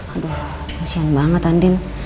aduh kesian banget ya andin